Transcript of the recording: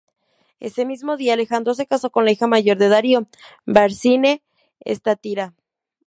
En el mismo día, Alejandro se casó con la hija mayor de Darío, Barsine-Estatira.